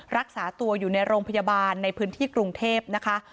รักษาตัวอยู่ในโรงพยาบาลในพื้นที่กรุงเทพนะคะ